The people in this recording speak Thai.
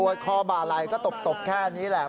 คอบาลัยก็ตบแค่นี้แหละ